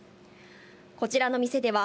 こちらの店では、